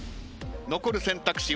残る選択肢